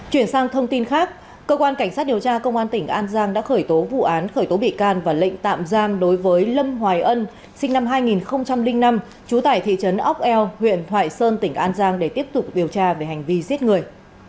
chuyển sang thông tin khác cơ quan cảnh sát điều tra công an tỉnh an giang đã khởi tố vụ án khởi tố bị can và lệnh tạm giam đối với lâm hoài ân sinh năm hai nghìn năm trú tại thị trấn ốc eo huyện thoại sơn tỉnh an giang để tiếp tục điều tra về hành vi giết người